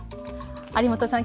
有元さん